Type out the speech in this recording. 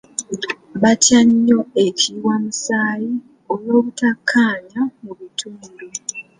Batya nnyo ekiyiwamusaayi olw'obutakkaanya mu bitundu.